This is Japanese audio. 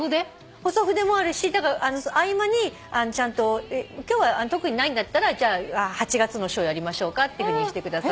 細筆もあるし合間に今日は特にないんだったらじゃあ８月の書やりましょうかっていうふうにしてくださって。